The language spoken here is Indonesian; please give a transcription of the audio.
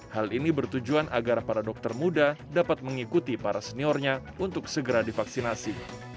hal ini bertujuan agar para dokter muda dapat mengikuti para seniornya untuk segera divaksinasi